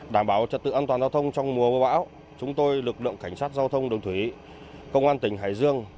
đảm bảo trật tự an toàn giao thông trong mùa mưa bão chúng tôi lực lượng cảnh sát giao thông đường thủy công an tỉnh hải dương